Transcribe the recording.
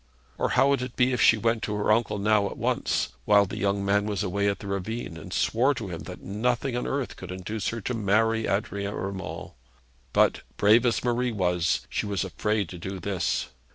Or how would it be if she went to her uncle now at once, while the young man was away at the ravine, and swore to him that nothing on earth should induce her to marry Adrian Urmand? But brave as Marie was, she was afraid to do this.